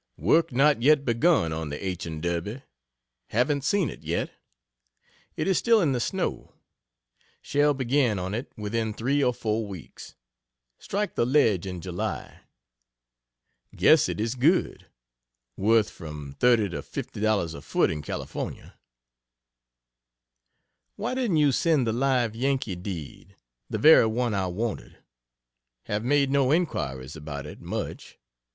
Work not yet begun on the H. and Derby haven't seen it yet. It is still in the snow. Shall begin on it within 3 or 4 weeks strike the ledge in July. Guess it is good worth from $30 to $50 a foot in California. Why didn't you send the "Live Yankee" deed the very one I wanted? Have made no inquiries about it, much.